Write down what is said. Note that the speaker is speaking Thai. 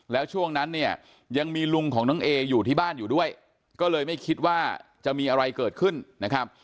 แล้วช่วงนั้นเนี่ยยังมีลุงของน้องเออยู่ที่บ้านอยู่ด้วยก็เลยไม่คิดว่าจะมีอะไรเกิดขึ้นนะครับ